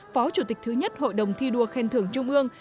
phó chủ tịch thứ nhất hội đồng thi đua khen thưởng trung ương